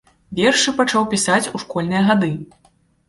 Вершы пачаў пісаць у школьныя гады.